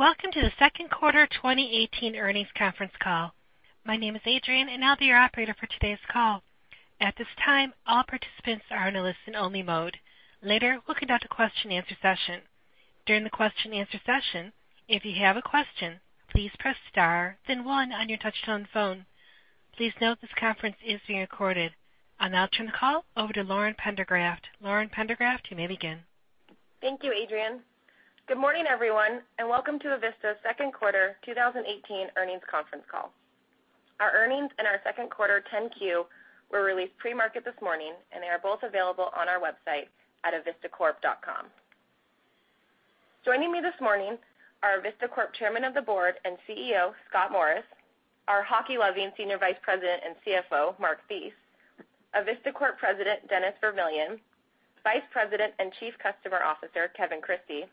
Welcome to the second quarter 2018 earnings conference call. My name is Adrian, and I'll be your operator for today's call. At this time, all participants are in a listen-only mode. Later, we'll conduct a question and answer session. During the question and answer session, if you have a question, please press star then one on your touch-tone phone. Please note this conference is being recorded. I'll now turn the call over to Lauren Pendergraft. Lauren Pendergraft, you may begin. Thank you, Adrian. Good morning, everyone, and welcome to Avista's second quarter 2018 earnings conference call. Our earnings and our second quarter 10-Q were released pre-market this morning, and they are both available on our website at avistacorp.com. Joining me this morning are Avista Corp. Chairman of the Board and CEO, Scott Morris, our hockey-loving Senior Vice President and CFO, Mark Thies, Avista Corp. President, Dennis Vermillion, Vice President and Chief Customer Officer, Kevin Christie,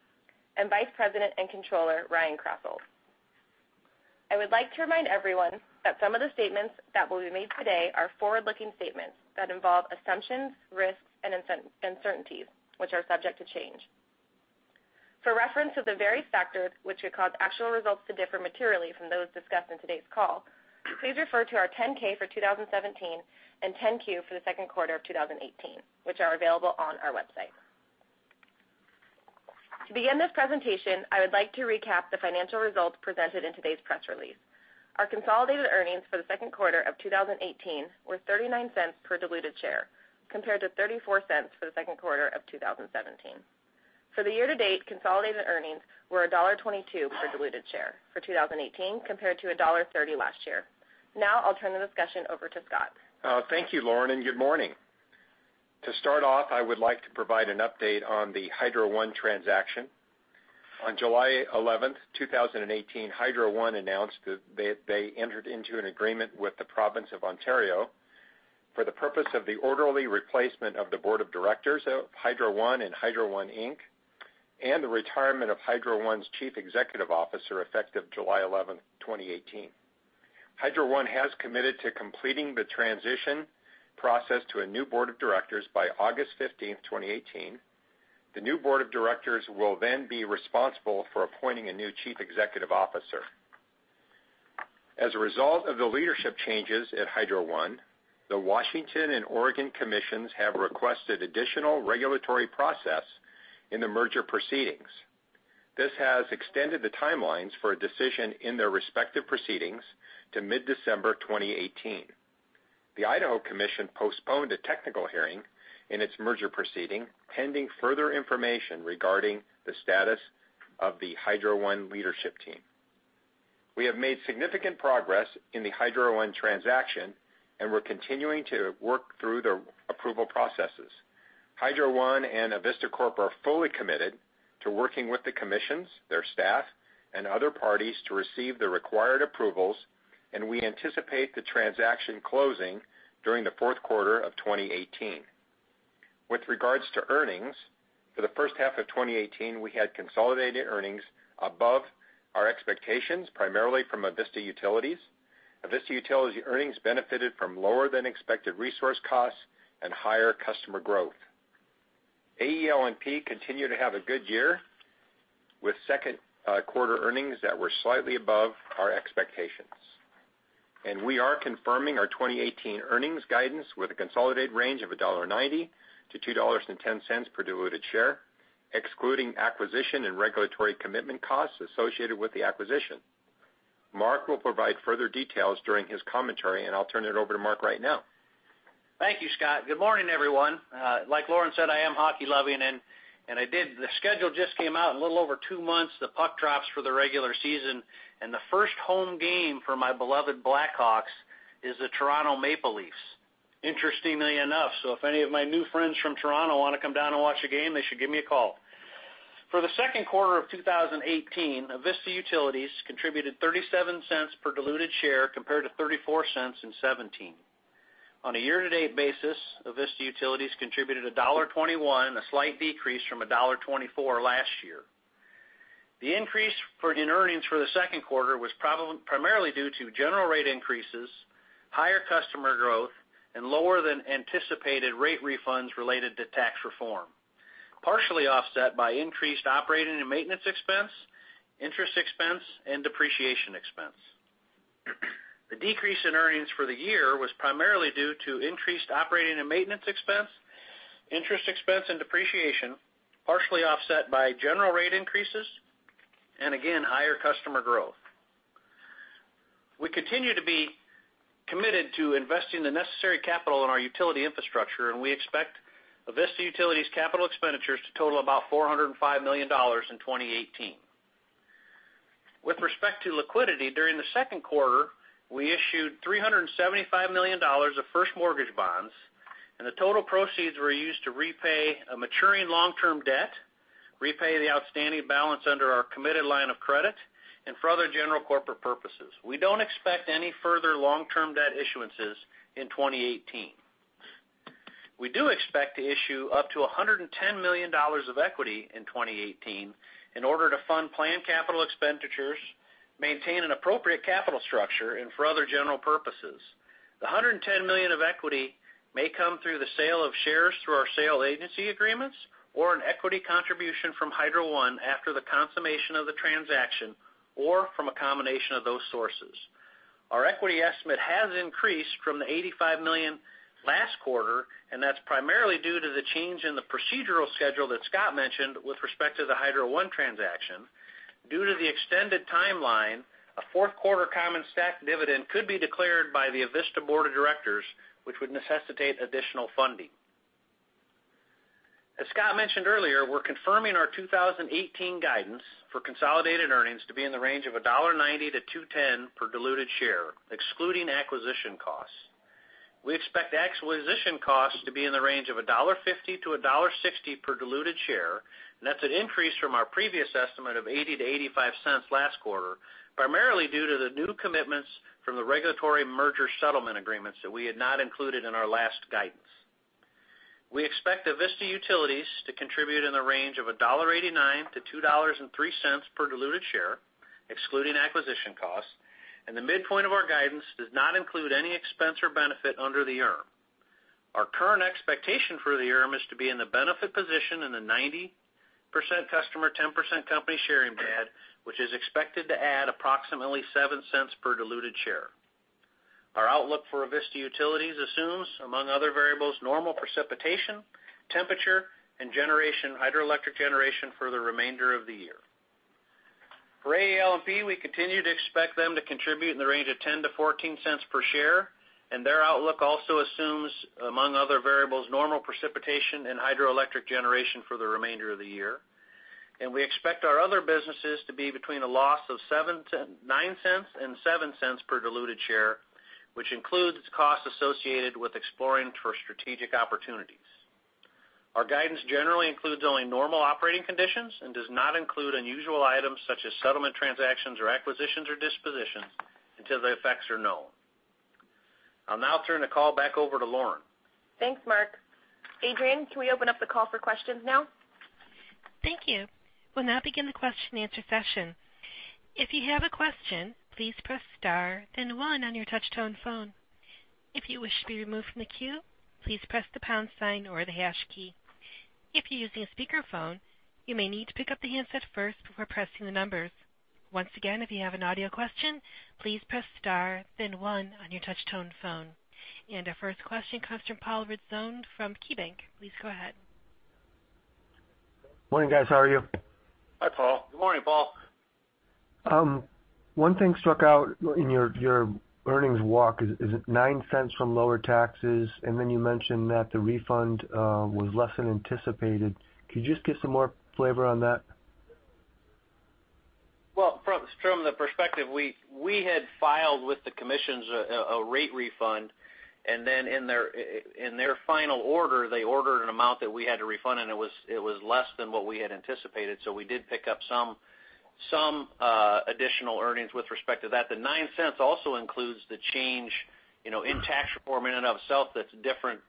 and Vice President and Controller, Ryan Krasselt. I would like to remind everyone that some of the statements that will be made today are forward-looking statements that involve assumptions, risks, and uncertainties, which are subject to change. For reference of the various factors which would cause actual results to differ materially from those discussed in today's call, please refer to our 10-K for 2017 and 10-Q for the second quarter of 2018, which are available on our website. To begin this presentation, I would like to recap the financial results presented in today's press release. Our consolidated earnings for the second quarter of 2018 were $0.39 per diluted share, compared to $0.34 for the second quarter of 2017. For the year-to-date, consolidated earnings were $1.22 per diluted share for 2018 compared to $1.30 last year. Now I'll turn the discussion over to Scott. Thank you, Lauren, and good morning. To start off, I would like to provide an update on the Hydro One transaction. On July 11, 2018, Hydro One announced that they entered into an agreement with the province of Ontario for the purpose of the orderly replacement of the board of directors of Hydro One and Hydro One Inc., and the retirement of Hydro One's Chief Executive Officer effective July 11, 2018. Hydro One has committed to completing the transition process to a new board of directors by August 15, 2018. The new board of directors will then be responsible for appointing a new Chief Executive Officer. As a result of the leadership changes at Hydro One, the Washington and Oregon commissions have requested additional regulatory process in the merger proceedings. This has extended the timelines for a decision in their respective proceedings to mid-December 2018. The Idaho Commission postponed a technical hearing in its merger proceeding, pending further information regarding the status of the Hydro One leadership team. We have made significant progress in the Hydro One transaction, and we're continuing to work through the approval processes. Hydro One and Avista Corp. are fully committed to working with the commissions, their staff, and other parties to receive the required approvals, and we anticipate the transaction closing during the fourth quarter of 2018. With regards to earnings, for the first half of 2018, we had consolidated earnings above our expectations, primarily from Avista Utilities. Avista Utilities earnings benefited from lower than expected resource costs and higher customer growth. AEL&P continue to have a good year with second quarter earnings that were slightly above our expectations. We are confirming our 2018 earnings guidance with a consolidated range of $1.90 to $2.10 per diluted share, excluding acquisition and regulatory commitment costs associated with the acquisition. Mark will provide further details during his commentary, and I'll turn it over to Mark right now. Thank you, Scott. Good morning, everyone. Like Lauren said, I am hockey loving, and the schedule just came out. In a little over two months, the puck drops for the regular season, and the first home game for my beloved Chicago Blackhawks is the Toronto Maple Leafs, interestingly enough. If any of my new friends from Toronto want to come down and watch a game, they should give me a call. For the second quarter of 2018, Avista Utilities contributed $0.37 per diluted share, compared to $0.34 in 2017. On a year-to-date basis, Avista Utilities contributed $1.21, a slight decrease from $1.24 last year. The increase in earnings for the second quarter was primarily due to general rate increases, higher customer growth, and lower than anticipated rate refunds related to Tax Reform, partially offset by increased operating and maintenance expense, interest expense, and depreciation expense. The decrease in earnings for the year was primarily due to increased operating and maintenance expense, interest expense, and depreciation, partially offset by general rate increases and again, higher customer growth. We continue to be committed to investing the necessary capital in our utility infrastructure, and we expect Avista Utilities capital expenditures to total about $405 million in 2018. With respect to liquidity, during the second quarter, we issued $375 million of first mortgage bonds, and the total proceeds were used to repay a maturing long-term debt, repay the outstanding balance under our committed line of credit, and for other general corporate purposes. We don't expect any further long-term debt issuances in 2018. We do expect to issue up to $110 million of equity in 2018 in order to fund planned capital expenditures, maintain an appropriate capital structure, and for other general purposes. The $110 million of equity may come through the sale of shares through our sales agency agreements or an equity contribution from Hydro One after the consummation of the transaction, or from a combination of those sources. Our equity estimate has increased from the $85 million last quarter, and that's primarily due to the change in the procedural schedule that Scott mentioned with respect to the Hydro One transaction. Due to the extended timeline, a fourth quarter common stock dividend could be declared by the Avista board of directors, which would necessitate additional funding. As Scott mentioned earlier, we're confirming our 2018 guidance for consolidated earnings to be in the range of $1.90 to $2.10 per diluted share, excluding acquisition costs. We expect acquisition costs to be in the range of $1.50 to $1.60 per diluted share, and that's an increase from our previous estimate of $0.80 to $0.85 last quarter, primarily due to the new commitments from the regulatory merger settlement agreements that we had not included in our last guidance. We expect Avista Utilities to contribute in the range of $1.89 to $2.03 per diluted share, excluding acquisition costs, and the midpoint of our guidance does not include any expense or benefit under the EARM. Our current expectation for the EARM is to be in the benefit position in the 90% customer, 10% company sharing band, which is expected to add approximately $0.07 per diluted share. Our outlook for Avista Utilities assumes, among other variables, normal precipitation, temperature, and hydroelectric generation for the remainder of the year. For AEL&P, we continue to expect them to contribute in the range of $0.10 to $0.14 per share, and their outlook also assumes, among other variables, normal precipitation and hydroelectric generation for the remainder of the year. We expect our other businesses to be between a loss of $0.09 and $0.07 per diluted share, which includes costs associated with exploring for strategic opportunities. Our guidance generally includes only normal operating conditions and does not include unusual items such as settlement transactions or acquisitions or dispositions until the effects are known. I'll now turn the call back over to Lauren. Thanks, Mark. Adrian, can we open up the call for questions now? Thank you. We'll now begin the question and answer session. If you have a question, please press star then one on your touch-tone phone. If you wish to be removed from the queue, please press the pound sign or the hash key. If you're using a speakerphone, you may need to pick up the handset first before pressing the numbers. Once again, if you have an audio question, please press star then one on your touch-tone phone. Our first question comes from Paul Ridzon from KeyBanc. Please go ahead. Morning, guys. How are you? Hi, Paul. Good morning, Paul. One thing stuck out in your earnings walk is it $0.09 from lower taxes. Then you mentioned that the refund was less than anticipated. Could you just give some more flavor on that? From the perspective, we had filed with the commissions a rate refund, in their final order, they ordered an amount that we had to refund, it was less than what we had anticipated. We did pick up some additional earnings with respect to that. The $0.09 also includes the change in Tax Reform in and of itself, that's different.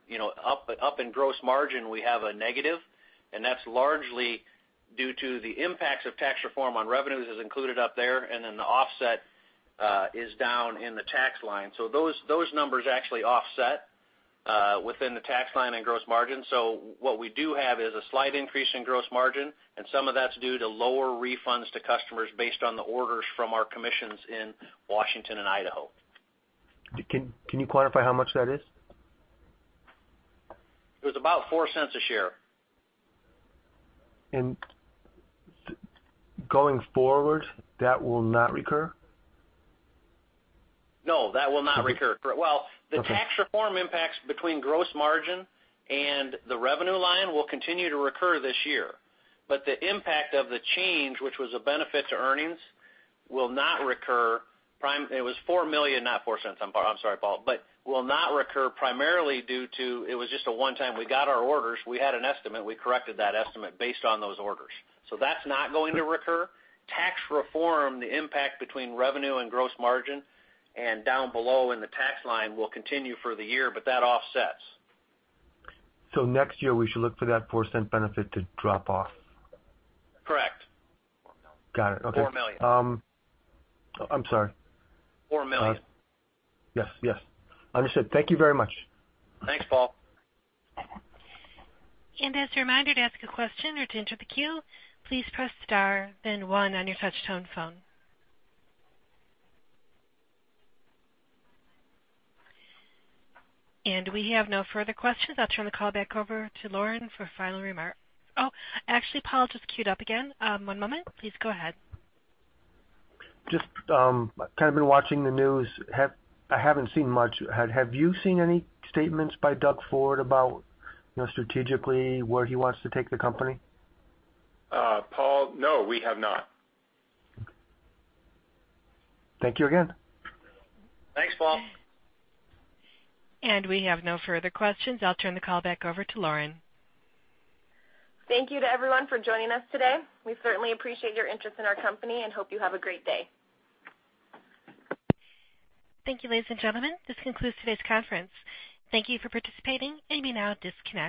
Up in gross margin, we have a negative, and that's largely due to the impacts of Tax Reform on revenues as included up there, the offset is down in the tax line. Those numbers actually offset within the tax line and gross margin. What we do have is a slight increase in gross margin, and some of that's due to lower refunds to customers based on the orders from our commissions in Washington and Idaho. Can you quantify how much that is? It was about $0.04 a share. Going forward, that will not recur? No, that will not recur. The Tax Reform impacts between gross margin and the revenue line will continue to recur this year. The impact of the change, which was a benefit to earnings, will not recur. It was $4 million, not $0.04, I'm sorry, Paul. Will not recur primarily due to it was just a one-time. We got our orders, we had an estimate, we corrected that estimate based on those orders. That's not going to recur. Tax Reform, the impact between revenue and gross margin and down below in the tax line will continue for the year, but that offsets. Next year, we should look for that $0.04 benefit to drop off. Correct. $4 million. Got it. Okay. $4 million. I'm sorry. $4 million. Yes. Understood. Thank you very much. Thanks, Paul. As a reminder, to ask a question or to enter the queue, please press star then one on your touch-tone phone. We have no further questions. I'll turn the call back over to Lauren for final remark. Oh, actually, Paul just queued up again. One moment. Please go ahead. Just kind of been watching the news. I haven't seen much. Have you seen any statements by Doug Ford about strategically where he wants to take the company? Paul, no, we have not. Thank you again. Thanks, Paul. We have no further questions. I'll turn the call back over to Lauren. Thank you to everyone for joining us today. We certainly appreciate your interest in our company and hope you have a great day. Thank you, ladies and gentlemen. This concludes today's conference. Thank you for participating. You may now disconnect.